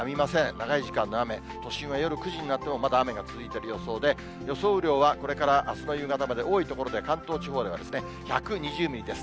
長い時間の雨、都心は夜９時になってもまだ雨が続いている予想で、予想雨量はこれからあすの夕方まで、多い所で関東地方では１２０ミリです。